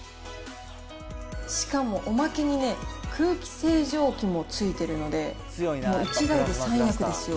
しかもおまけにね、空気清浄機もついてるんで、１台で３役ですよ。